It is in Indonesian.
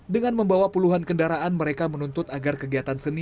dengan membawa puluhan kendaraan mereka menuntut agar kegiatan seni